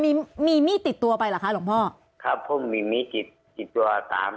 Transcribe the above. มีมีมีดติดตัวไปเหรอคะหลวงพ่อครับผมมีมีดกี่ตัวสาม